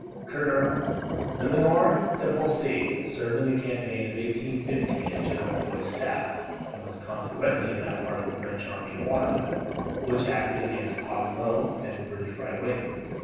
Colonel Lemonnier Delafosse served in the campaign of 1815 in General Foy's staff, and was consequently in that part of the French army at Waterloo, which acted against Hougoumont and the British right wing.